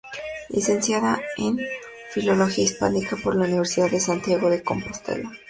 Licenciada en Filología Hispánica por la Universidad de Santiago de Compostela.